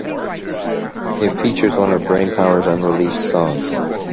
It features one of Brainpower's unreleased songs.